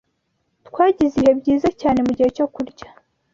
Twagize ibihe byiza cyane mugihe cyo kurya.